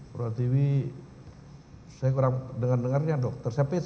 pratiwi saya kurang dengar dengarnya dokter